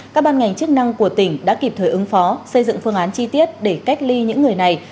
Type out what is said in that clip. các ban ngành chức năng của tỉnh đã kịp thời ứng phó xây dựng phương án chi tiết để cách ly những người này